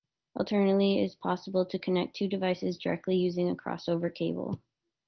Alternatively it is possible to connect two devices directly using a crossover cable.